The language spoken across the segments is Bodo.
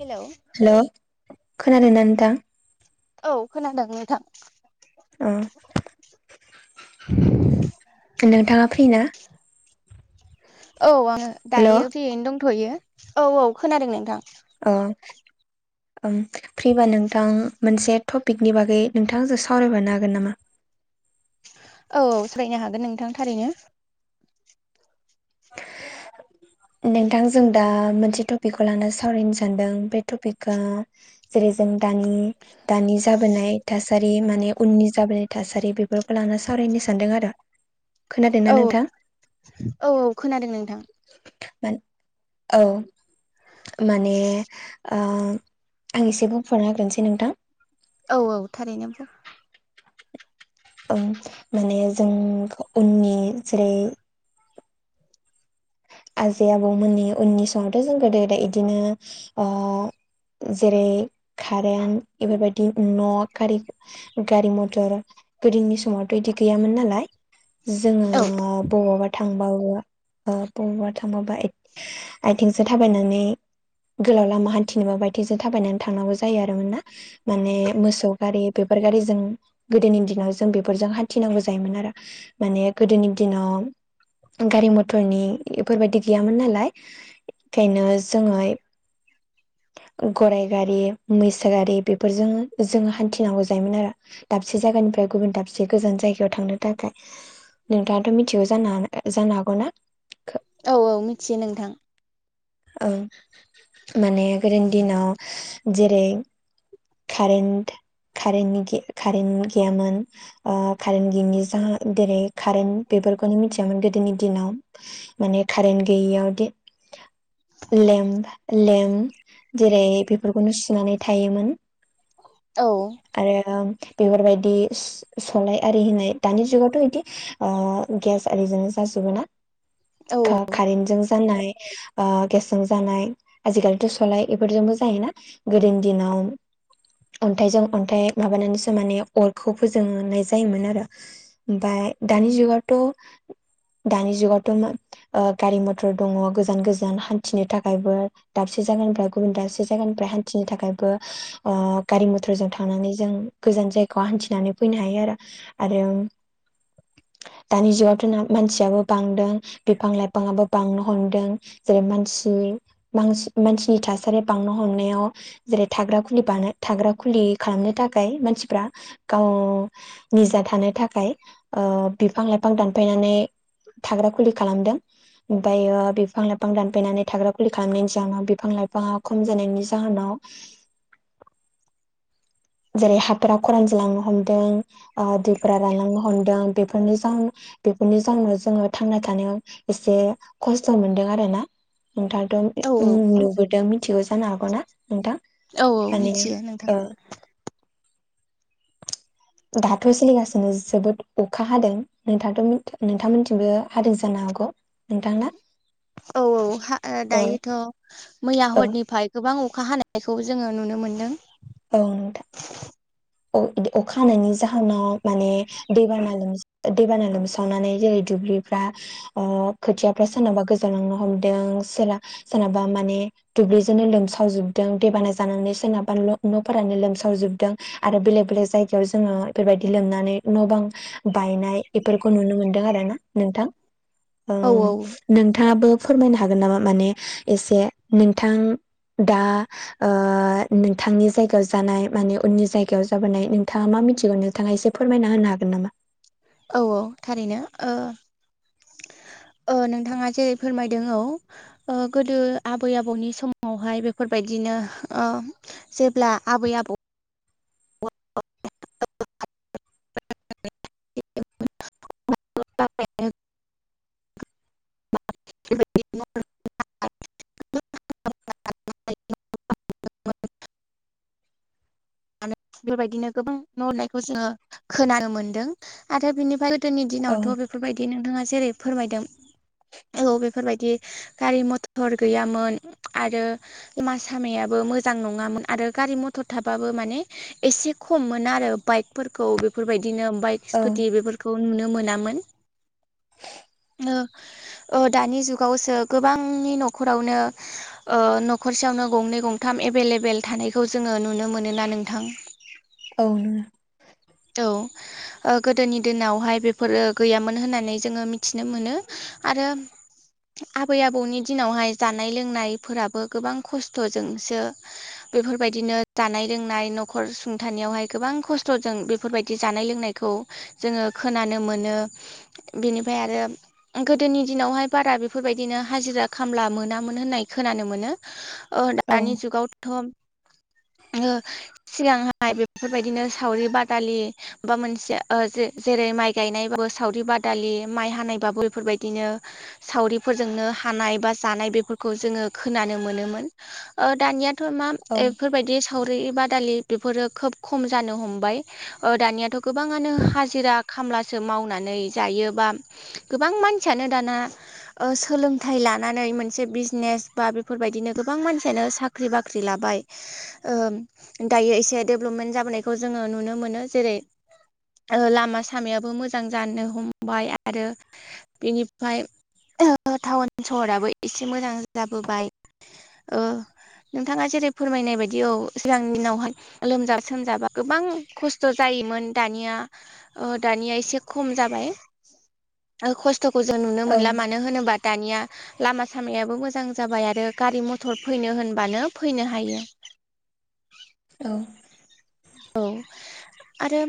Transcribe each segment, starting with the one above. हेलौ हेलौ खोनादोंना नोथां औ खोनादों नोंथां अ नोंथाङा फ्रि ना औ आङो हेल' दायो अ फ्रियैनो दंथयो औ औ खोनादों नोंथां ओं ओं फ्रिबा नोंथां मोनसे टपिकनि बागै नोंथाङा आंजों सावरायफानो हागोन नामा? औ औ सावरायनो हागोन नोंथां थारैनो। [inaudible] नोंथां जों दा मोनसे टपिकखौ लानानै सावरायनो सानदों बे टपिका जेरै जों दानि दानि जाबोनाय थासारि माने उननि जाबोनाय थासारि बेफोरखौ लानानै सावरायनो सानदों आरो। [inaudible] औ नोंथां औ औ खोनादों नोंथां। [unintelligible] औ माने ओ आं एसे बोफ्रुना होग्रोनोसै नोंथां। औ औ थारैनो बुं ओम माने जों उननि जेरै आजै आबौमोननि उननि समावथ' जों गोदो गोदाय इदिनो ओ जेरै कारेन्ट बेफोरबायदि न' कारि गारि मथर गोदोनि समावथ' इदि गैयामोन नालाय। जोङो औ बबावबा थांबाबो ओ बबावबा थांबाबा आथिंजों थाबायनानै गोलाव लामा हानथिनोबा आथिंजों थाबायनानै थांनांगौ जायो आरोमोन ना माने मोसौ गारि बेफोर गारिजों गोदोनि दिनाव जों बेफोरजों हान्थिनांगौ जायोमोन आरो माने गोदोनि दिनाव गारि मथरनि बेफोरबायदि गैयामोन नालाय ओंखायनो जोङो गराय गारि, मैसोगारि बेफोरजों जोङो हान्थिनांगौ जायोमोन आरो। दाबसे जायगानिफ्राय गुबुन दाबसे गोजान जायगायाव थांनो थाखाय। नोंथाङाथ' मिथिगौ जानो हाना जानो हागौना? औ औ मिथियो नोंथां। औ माने गोदोनि दिनाव जेरै कारेन्ट कारेन्ट कारेन्ट गैयामोन। अ कारेेनट गैयिनि जा जेरै कारेन्ट बेफोरखौनो मिथियामोन गोदोनि दिनाव। माने कारेन्ट गैयियाव दि लेम्प प लेम्प जेरै बेफोरखौनो सुनानै थायोमोन। औ आरो आं बेफोरबायदि सलाय आरि होननाय दानि जुगावथ' बिदि ओ गेस आरिजों जाजोबो ना औ का-कारेन्टजों जानाय ओ गेसजों जानाय आजिखालिथ' सलाय बेफोरजोंबो जायोना गोदोनि दिनाव अन्थाइजों अन्थाइ माबानानैसो माने अरखौ फोजोंनाय जायोमोन आरो। ओमफ्राय दानि जुगावथ' दानि जुगावथ' मा ओ गारि मथर दङ गोजान गोजान हान्थिनो थाखायबो। दाबसे जायगानिफ्राय गुबुन दाबसे जायगानिफ्राय हान्थिनो थाखायबो ओ गारि मथरजों थांनानै जों गोजान जायगाायाव हान्थिनानै फैनो हायो आरो। आरो दानि जुगावथ' मानसियाबो बांदों बिफां लाइफाङाबो बांनो हमदों जेरै मानसिनि मानसिनि थासारिया बांनो हमनायाव जेरै थाग्रा खुलि बानो थाग्रा खुलि खालामनो थाखाय मानसिफ्रा गाव निजा थानो थाखाय ओ बिफां लाइफां दानफायनानै थाग्रा खुलि खालामदों। ओमफायो बिफां लाइफां दानफायनानै थाग्रा खुलि खालामनायनि जाउनाव बिफां लाइफाङा खम जानायनि जाहोनाव जेरै हाफ्रा खरान जालांनो हमदों ओ दैफोरा रानलांनो हमदों बेफोरनो जा बेफोरनि जाउनाव जोङो थांना थानायाव एसे खस्थ' मोनदों आरो ना। नोंथाङाथ' औ ओम नुबोदों मिथिगौ जानो हागौना नोंथां? औ औ माने मिथियो ओ नोंथां। दाथ' सोलिगासिनो जोबोद अखा हादों नोंथां नोंथांआ मोनथिंबो हादों जानो हागौ। नोंथांना? औ औ हा ओ औ दायोथ' मैया औ हरनिफाय गोबां अखा हानायखौ जोङो नुनो मोन्दों। औ नोंथा। [inaudible] अ अखा हानायनि जाहोनाव माने दैबाना दैबाना लोमसावनानै जोंनि दुब्लिफ्रा ओ खोथियाफ्रा सोरनाबा गोजावलांनो हमदों सोरा सोरनाबा माने दुब्लिजोंनो लोमसावजोबदों दैेबाना जानानै सोरनाबा न' न'फोरानो लोमसावजोबदों। आरो बेलेग बेलेग जायगायाव जोङो बेबायदि लोमनानै न' बां बायनाय बेफोरखौ नुनो मोनदों आरो ना नोंथां। औ नोंथाङाबो फोरमायनो हागोन नामा माने एसे नोंथां दा ओ नोंथांनि जायगायाव जानाय माने उननि जाय। गायाव जाबोनाय नोंथाङा मा मिथिगोन नोंथाङा एसे फोरमायना होनो हागोन नामा? औ औ थारैनो ओ। ओ नोंथाङा जेरै फोरमायदों औ। ओ गोदो आबै आबौनि समावहाय बेफोरबायदिनो ओ। जेब्ला आबै आबौ। [unintelligible] [unintelligible] [inaudible] [unintelligible] बेबायदिनो गोबां न' हनायखौ जोङो खोनानो मोनदों आरो बेनिफ्राय। दोनि औ दिनावथ' बेफोरबायदि नोंथाङा जेरै फोरमायदों। औ बेफोरबायदि गारि मथर गैयामोन आरो। मा सामायाबो मोजां नङामोन आरो गारि मथर थाबा बो माने एसे खम मोन आरो बाइकफोरखौ बेफोरबायदिनो बाइक औ स्कुटि बेफोर खौ नुनो मोनामोन ओ ओ दानि जुगावसो गोबांनि न'खरावनो। ओ न'खरसेयावनो गंनै गंथाम एबेल एबेल थानायखौ जोङो नुनो मोनोना नोंथां। औ नोङो। औ। ओ गोदोनि दिनावहाय बेफोरो गैयामोन होननानै जोङो मिथिनो मोनो आरो आबै आबौनि दिनावहाय जानाय लोंनायफोराबो गोबां खस्थ'जोंसो। बेफोरबायदिनो जानाय लोंनाय न'खर सुंथानायावहाय गोबां खस्थ'जों बेब फोरबायदि जानाय लोंनायखौ जोङो खोनानो मोनो बेनिफ्राय आरो। गोदोनि दिनावहाय बारा बेफोरबायदिनो हाजिरा खामला मोनामोन होननाय खोनानो मोनो। ओ औ दानि जुगाव। थ' ओ‌ सिगांहाय बेफोरबायदिनो सावरि बादालि। बा मोनसे ओ जे-जेरै माइ गायनायबो सावरि बादालि माइ हानायबाबो बेफोरबायदिनो। सावरिफोरजोंनो हानाय बा जानाय बेफोरखौ जोङो खोनानो मोनोमोन ओ दानिया थ' मा औ एफोरबायदि सावरि बादालि बेफोरो खोब खम जानो हमबाय। ओ दानियाथ' गोबाङानो हाजिरा खामलासो मावनानै जायो बा। गोबां मानसियानो दाना। ओ सोलोंथाइ लानानै मोनसे बिजनेस बा बेफोरबायदिनो गोबां मानसियानो साख ख्रि बाख्रि लाबाय ओ दायो एसे डेभलपमेन्ट जाबोनायखौ जोङो नुनो मोनो जेरै ओ लामा सामायाबो मोजां जानो हमबाय आरो बिनिफ्राय ओ टाउन सहराबो एसे मोजां जाबोबाय ओ नोंथाङा जेरै फोरमायनाय बायदि औ सिगांनि दिनावहाय लोमजा सोमजाबा गोबां खस्थ' जायोमोन दानिया ओ दानिया एसे खम जाबाय ओ खस्थ'खौ जों नुनो मोनला मानो होनोबा दानिया लामा सामायाबो मोजां जाबाय आरो गारि मथर फैनो होनबानो फैनो हायो। औ औ आरो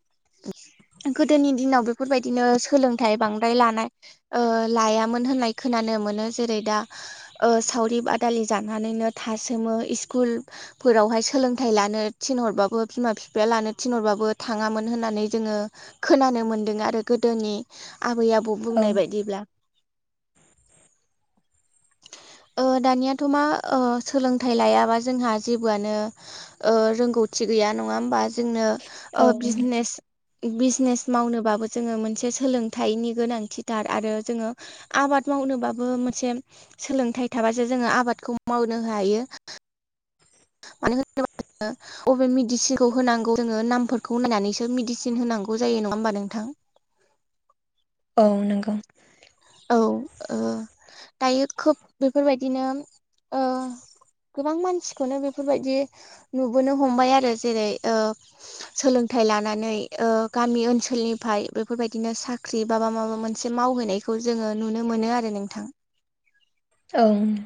[inaudible] गोदोनि दिनाव बेफोरबायदिनो सोलोंथाइ बांद्राय लानाय ओ लायामोन होननाय खोनानो मोनो जेरै दा ओ सावरि बादालि जानानैनो थासोमो स्कुल फोरावहाय सोलोंथाइ लानो थिनहरबाबो बिमा बिफाया लानो थिनहरबाबो थाङामोन होननानै जोङो खोनानो मोन्दों आरो गोदोनि आबै - आबौ औ बुंनाय बायदिब्ला। [inaudible] ओ दानियाथ' मा ओ सोलोंथाइ लायाबा जोंहा जेबोआनो ओ रोंगौ रोंगौथि गैया नङा होमबा जोंनो ओ औ बिजनेस बिजनेस मावनोबाबो जोङो मोनसे सोलोंथाइनि गोनांथिथार आरो जोङो आबाद मावनोबाबो मोनसे सोलोंथाइ थाबासो जोङो आबादखौ मावनो हायो मानो होनोबा जोङो अबे मेडिसिनखौ होनांगौ जोङो नामफोरखौ नायनानैसो मेडिसिन होनांगौ जायो नङा होमबा नोंथां। औ नोंगौ। औ ओ दायो खोब बेफोरबायदिनो ओ गोबां मानसिखौनो बेफोरबायदि नुबोनो हमबाय आरो जेरै ओ सोलोंथाइ लानानै ओ गामि ओनसोलनिफ्राय बेफोरबायदिनो साख्रि बाबा माबा मोनसे मोनसे मावहैनायखौ जोङो नुनो मोनो आरो नोंथां। औ नोंथां।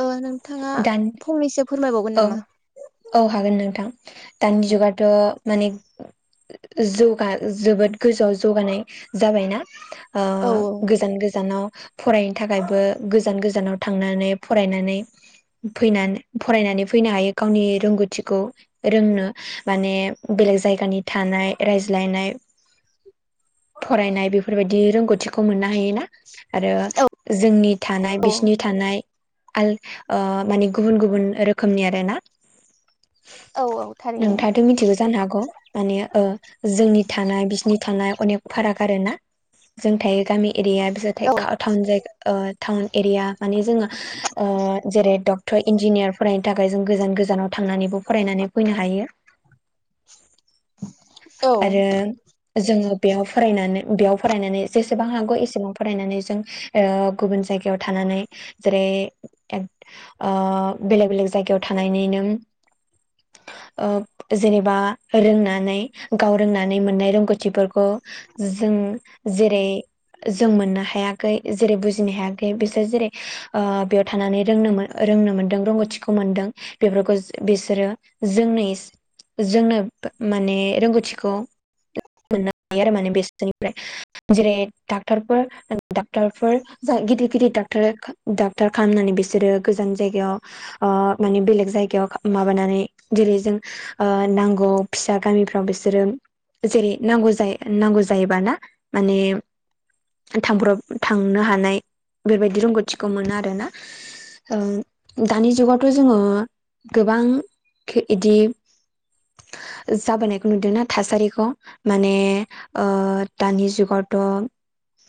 ओ नोंथाङा दानि फंनैसो फोरमायबावगोन औ नामा? औ हागोन नोंथां दानि जुगाथ' माने जौगा जोबोद गोजौआव जौगानाय जाबायना ओ औ गोजान गोजानाव फरायनो थाखायबो गोजान गोजानाव थांनानै थांनानै फरायनानै फैनानै फरायनानै फैनो हायो गावनि रोंगौथिखौ रोंनो माने बेलेग जायगानि थानाय रायज्लायनाय फरायनाय बेफोरबायदि रोंगौथिखौ मोननो हायो ना आरो जोंनि थानाय औ बिसिनि थानाय आल ओ माने गुबुन - गुबुन रोखोमनि आरो ना औ औ थारैनो नोंथाङाथ' मिथिगौ जानो हागौ माने ओ जोंनि थानाय बिसिनि थानाय अनेक फाराग आरो ना जों थायो गामि एरिया बिसोर औ थायो टाउन जायगा ओ टाउन एरिया माने जोंङो ओ जेरै डक्टर इन्जिनियार फरायनो थाखाय जों गोजान गोजानाव थांनानैबो फरायनानै फैनो हायो। औ आरो जोङो बेयाव फरायनानै बेयाव फरायनानै जेसेबां हागौ एसेबां फरायनानै जों ओ गुबुन जायगायाव थानानै जेरै ओ बेलेग बेलेग जायगायाव थानायनिनों ओ जेनेबा रोंनानै गाव रोंनानै मोननाय रोंग'थिफोरखौ जों जेरै जों मोननो हायाखै जेरै बुजिनो हायाखै, बिसोर जेरै ओ बेयाव थानानै रोंनो मो रोंनो मोन्दों रोंग'थिखौ मोनदों। बेफोरखौ बिसोरो जोंनि जोंनो माने रोंग'थिखौ मोननो हायो आरो माने बेसोरनिफ्राय जेरै डक्टरफोर डक्टरफोर गिदिर - गिदिर डक्टर डक्टार खालामनानै बिसोरो गोजान जायगायाव ओ माने बेलेग जायगायाव माबानानै जेरै जों ओ नांगौ फिसा गामिफोर आव बिसोरो जेरै नांगौ जायो नांगौ जायोबा ना माने थांब्रब थांनो हानाय बेबायदि रोंग'थिखौ मोनो आरोना। दानि जुगावथ' जोङो गोबां एदि जाबोनाय खौ नुदों ना थासारिखौ माने दानि जुगावथ'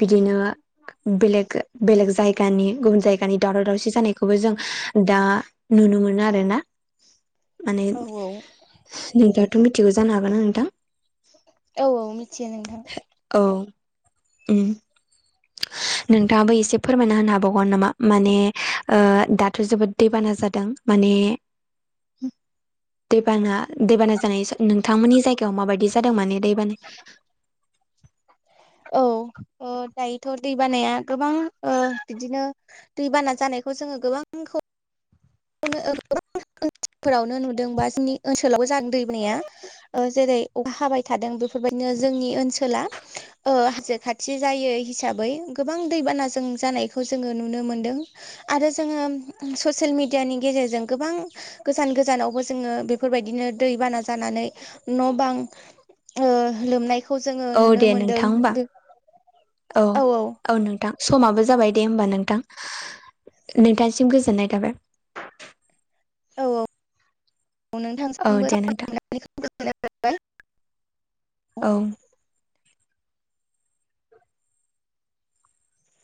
बिदिनो बेलेग-बेलेग जायगानि गुबुन जायगानि दावराव-दावसि जानाय खौबो जों दा नुनो मोनो आरोना माने औ नोंथाङाथ' मिथिगौ जानो हागौ ना नोंथां? औ औ मिथियो नोंथां। औ उम नोंथाङाबो एसे फोरमायना होनो हाबावगोन नामा? माने दाथ' जोबोद दैबाना जादों माने दैबाना दैबाना जानाय नोंथांमोननि जायगायाव माबायदि जादों माने दैबानाया? औ दायोथ' दैबानाया गोबां बिदिनो दैबाना जानायखौ जोङो गोबांखौ गोबां ओनफोरावनो नुदों बा जोंनि ओनसोलावबो जादों दैबोनाया जेरै अखा हाबाय थादों बेफोरबायदिनो जोंनि ओनसोला ओ हाजो खाथि जायो हिसाबै गोबां दैबाना जों जानायखौ जोङो नुनो मोनदों आरो जोङो ससियेल मिडियानि गेजेरजों गोबां गोजान गोजानावबो जोङो बेफोरबायदिनो दैबाना जानानै न' बां लोमनायखौ जोङो औ नुनो दे मोनदों नोंथां होमबा बे औ औ औ नोंथां समाबो जाबाय दे होमबा नोंथां। नोंथांसिम गोजोननाय थाबाय औ औ औ नोंथांसिमबो दे नोंथां साबायखर बावहरनाय जाबाय आरो औ